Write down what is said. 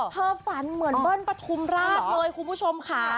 ฝันเหมือนเบิ้ลปฐุมราชเลยคุณผู้ชมค่ะ